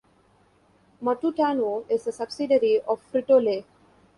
Matutano is a subsidiary of Frito-Lay.